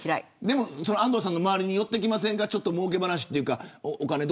でも安藤さんの周りに寄ってきませんかもうけ話というか。